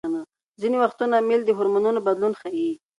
ځینې وختونه میل د هورمونونو بدلون ښيي.